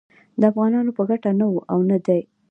د افغانانو په ګټه نه و او نه دی